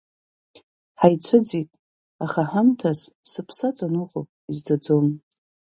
Ҳаицәыӡит, аха ҳамҭас, сыԥсаҵан уҟоуп изӡаӡом.